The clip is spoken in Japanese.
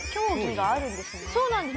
そうなんです。